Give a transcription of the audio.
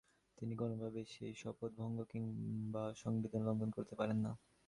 তিনি কোনোভাবেই সেই শপথ ভঙ্গ কিংবা সংবিধান লঙ্ঘন করতে পারেন না।